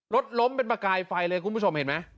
รถล้มเป็นประกายไฟเลยคุณผู้ชมเห็นไหม